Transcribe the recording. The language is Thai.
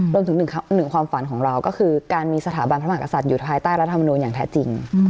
รวมถึงหนึ่งความฝันของเราก็คือการมีสถาบันพระมหากษัตริย์อยู่ภายใต้รัฐมนูลอย่างแท้จริง